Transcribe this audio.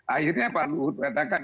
akhirnya pak luhut katakan